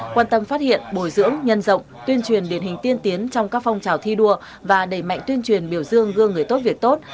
quan tâm phát hiện bồi dưỡng nhân rộng tuyên truyền điển hình tiên tiến trong các phong trào thi đua và đẩy mạnh tuyên truyền biểu dương gương người tốt việc tốt